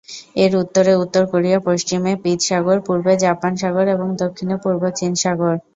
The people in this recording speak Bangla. এর উত্তরে উত্তর কোরিয়া, পশ্চিমে পীত সাগর, পূর্বে জাপান সাগর এবং দক্ষিণে পূর্ব চীন সাগর।